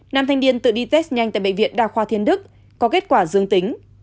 nam thanh niên tự đi test nhanh tại bệnh viện đa khoa thiên đức có kết quả dương tính